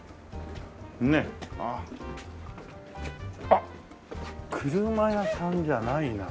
あっ車屋さんじゃないな。